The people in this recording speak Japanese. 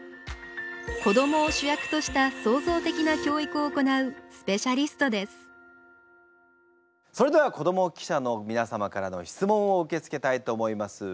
子どもを主役としたそれでは子ども記者のみなさまからの質問を受け付けたいと思います。